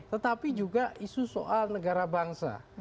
tetapi juga isu soal negara bangsa